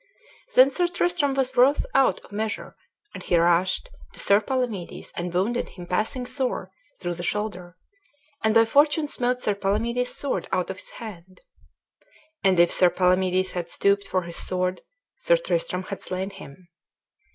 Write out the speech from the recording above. Then Sir Tristram was wroth out of measure, and he rushed to Sir Palamedes and wounded him passing sore through the shoulder, and by fortune smote Sir Palamedes' sword out of his hand And if Sir Palamedes had stooped for his sword Sir Tristram had slain him.